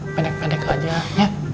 pendek pendek aja ya